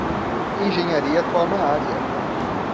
Engenharia atual na área